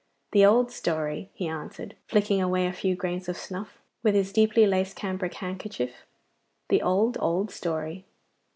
'The old story!' he answered, flicking away a few grains of snuff with his deeply laced cambric handkerchief. 'The old, old story!